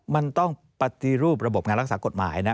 มันต้องปฏิรูประบบงานรักษากฎหมายนะ